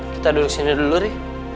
kita duduk sini dulu deh